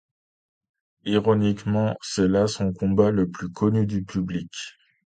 Ironiquement, c'est là son combat le plus connu du public.